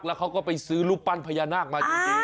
แล้วเขาก็ไปซื้อรูปปั้นพญานาคมาจริง